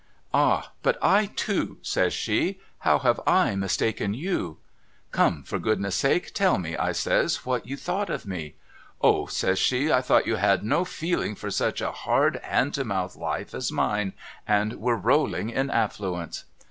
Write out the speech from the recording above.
'Ah but I too' says she 'how have / mistaken yon .''' Come for goodness' sake tell me' I says 'what you thought of me ?' 'O' says she 'I thought you had no feeling for MERRY AS GRIGS 365 such a hard hand to mouth Hfe as mine, and were roUing in affluence.'